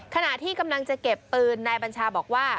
ขณะที่กำลังจะเก็บปืนนายบัญชาบอกว่า